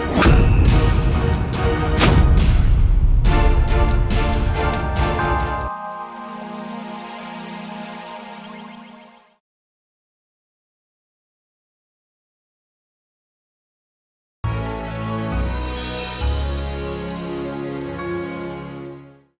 kakeknya sekedar perang tabah